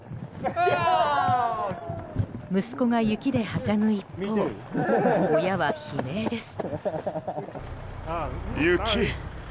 息子が雪ではしゃぐ一方親は悲鳴です。